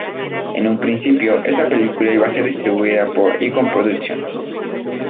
En un principio, esta película iba a ser distribuida por Icon Productions.